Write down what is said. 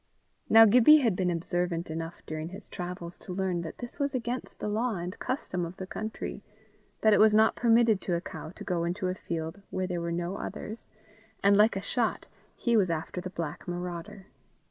Now Gibbie had been observant enough during his travels to learn that this was against the law and custom of the country that it was not permitted to a cow to go into a field where there were no others and like a shot he was after the black marauder.